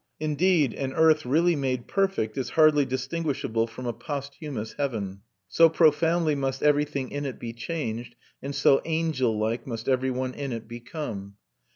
Indeed, an earth really made perfect is hardly distinguishable from a posthumous heaven: so profoundly must everything in it be changed, and so angel like must every one in it become.